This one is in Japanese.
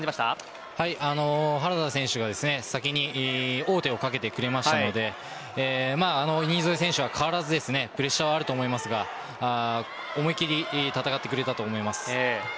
原田選手が先に王手をかけてくれたので新添選手は変わらずプレッシャーはあると思いますが思いっきり戦ってくれたと思います。